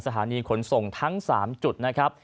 สถานีขนส่งทั้ง๓จุดนะครับ